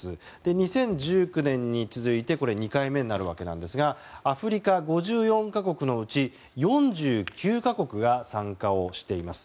２０１９年に続いて２回目になるわけですがアフリカ５４か国のうち４９か国が参加をしています。